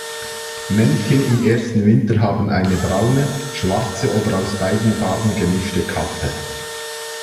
Männchen im ersten Winter haben eine braune, schwarze oder aus beiden Farben gemischte Kappe.